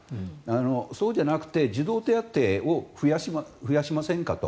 そうじゃなくて児童手当を増やしませんかと。